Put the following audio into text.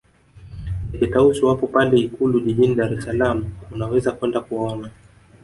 Ndege Tausi wapo pale ikulu jijini dar es salama unaweza kwenda kuwaona